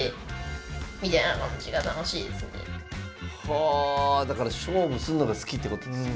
はあだから勝負すんのが好きってことですよね。